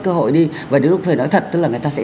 cơ hội đi và nếu đúng lúc phải nói thật tức là người ta sẽ